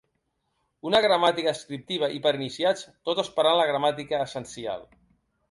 Una gramàtica descriptiva i per a iniciats, tot esperant la ‘gramàtica essencial’